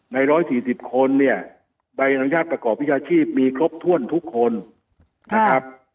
ในร้อยสี่สิบคนเนี่ยใบอนุญาตประกอบวิชาชีพมีครบถ้วนทุกคนครับ